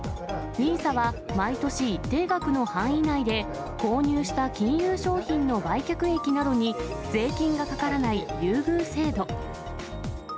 ＮＩＳＡは、毎年一定額の範囲内で、購入した金融商品の売却益などに、税金がかからない優遇制度。